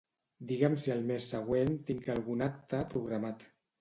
Digue'm si el mes següent tinc algun acte programat.